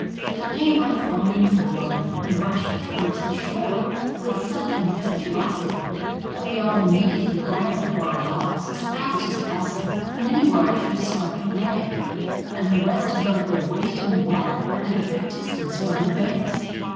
It came on foaming and roaring, and rushed towards the shore with such impetuosity, that we all immediately ran for our lives as fast as possible; many were actually swept away, and the rest above their waist in water at a good dis tance from the banks.